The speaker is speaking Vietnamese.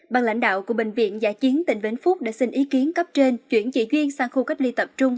bằng lãnh đạo của bệnh viện giả chiến tỉnh vĩnh phúc đã xin ý kiến cấp trên chuyển chị duyên sang khu cách ly tập trung